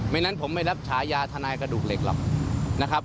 งั้นผมไม่รับฉายาทนายกระดูกเหล็กหรอกนะครับ